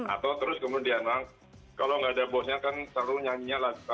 atau terus kemudian lah kalau gak ada bosnya kan selalu nyanyi lah